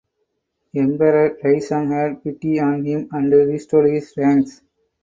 Emperor Taizong had pity on him and restored his ranks.